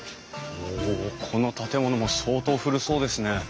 おこの建物も相当古そうですね。